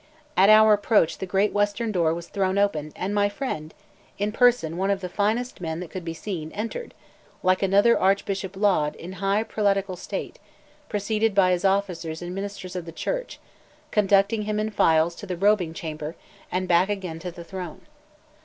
At our approach the great western door was thrown open, and my friend (in person one of the finest men that could be seen) entered, like another Archbishop Laud, in high prelatical state, preceded by his officers and ministers of the church, conducting him in files to the robing chamber, and back again to the throne.